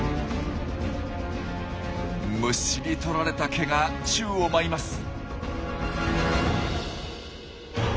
むしり取られた毛が宙を舞います。